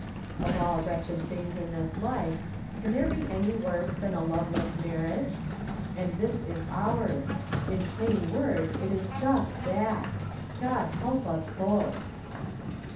Of all wretched things in this life, can there be any From Different Standpoints. 243 ■worse than a loveless marriage? And this is ours 1 In plain words it is just that ! God help us both